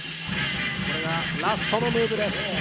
これがラストのムーブです。